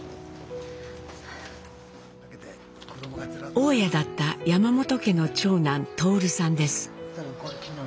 大家だった山本家の長男徹さんです。